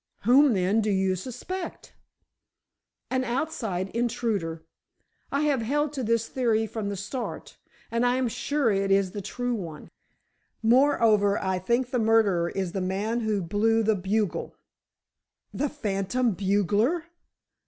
"Whom then do you suspect?" "An outside intruder. I have held to this theory from the start, and I am sure it is the true one. Moreover, I think the murderer is the man who blew the bugle——" "The phantom bugler!"